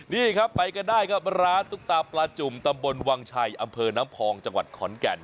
นี่ครับไปกันได้ครับร้านตุ๊กตาปลาจุ่มตำบลวังชัยอำเภอน้ำพองจังหวัดขอนแก่น